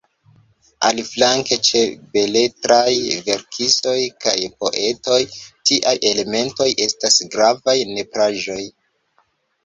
Aliflanke, ĉe beletraj verkistoj kaj poetoj, tiaj elementoj estas gravaj nepraĵoj.